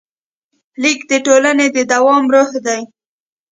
لیک د ټولنې د دوام روح شو.